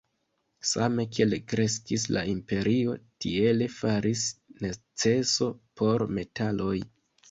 Same kiel kreskis la imperio, tiele faris neceso por metaloj.